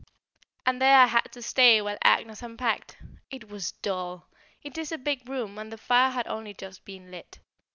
And there I had to stay while Agnès unpacked. It was dull! It is a big room, and the fire had only just been lit.